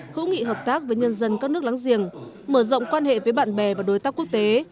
hữu nghị hợp tác với nhân dân các nước láng giềng mở rộng quan hệ với bạn bè và đối tác quốc tế